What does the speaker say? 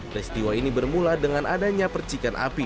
peristiwa ini bermula dengan adanya percikan api